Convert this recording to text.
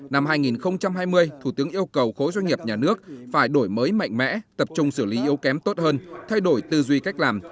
năm hai nghìn hai mươi thủ tướng yêu cầu khối doanh nghiệp nhà nước phải đổi mới mạnh mẽ tập trung xử lý yếu kém tốt hơn thay đổi tư duy cách làm